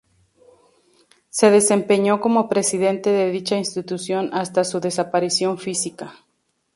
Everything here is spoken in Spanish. Se desempeñó como presidente de dicha institución hasta su desaparición física.